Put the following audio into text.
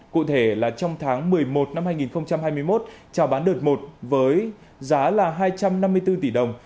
cụ thể là trong tháng một mươi một năm hai nghìn hai mươi một trào bán đợt một với giá là hai trăm năm mươi bốn tỷ đồng